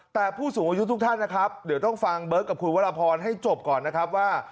แต่ผู้สูงอายุทุกท่านนะครับเดี๋ยวต้องฟังเบิร์ตกับคุณวรพรให้จบก่อนนะครับว่า